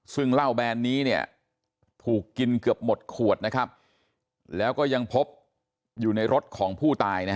ซึ่งเหล้าแบนนี้ถูกกินเกือบหมดขวดนะครับแล้วก็ยังพบอยู่ในรถของผู้ตาย